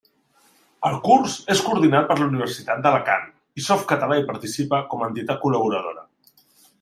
El curs és coordinat per la Universitat d'Alacant, i Softcatalà hi participa com a entitat col·laboradora.